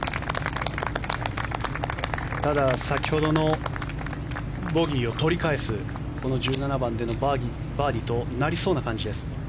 ただ、先ほどのボギーを取り返すこの１７番でのバーディーとなりそうな感じです。